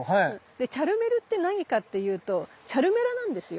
でチャルメルって何かっていうとチャルメラなんですよ。